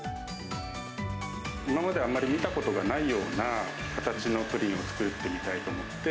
今まであまり見たことがないような形のプリンを作ってみたいと思って。